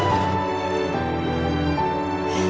えっ。